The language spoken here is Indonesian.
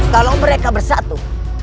kalau mereka bersatu